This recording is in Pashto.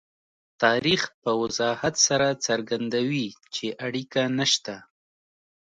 تاریخ په وضاحت سره څرګندوي چې اړیکه نشته.